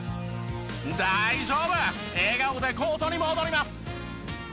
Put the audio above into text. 笑顔でコートに戻ります。